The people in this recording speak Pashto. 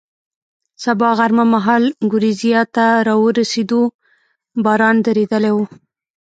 سبا غرمه مهال ګورېزیا ته را ورسېدو، باران درېدلی و.